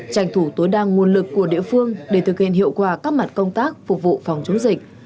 trành thủ tối đa nguồn lực của địa phương để thực hiện hiệu quả các mặt công tác phục vụ phòng chống dịch